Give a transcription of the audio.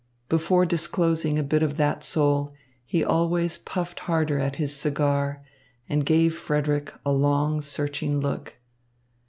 Before disclosing a bit of that soul, he always puffed harder at his cigar and gave Frederick a long, searching look.